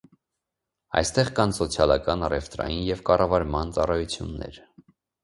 Այստեղ կան սոցիալական, առևտրային և կառավարման ծառայություններ։